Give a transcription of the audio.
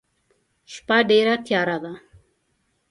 شپه ډيره تیاره ده.